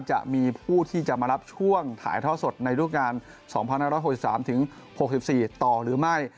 จะมีผู้ที่จะมารับช่วงถ่ายท่อสดในรูปงาน๒๕๖๓ถึง๖๔ต่อหรือไม่